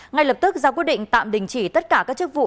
ngay lập tức ra quyết định tạm đình chỉ tất cả các chức vụ